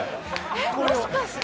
えっもしかして。